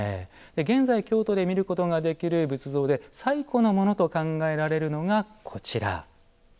現在、京都で見ることができる仏像で最古のものと考えられるのがこちら。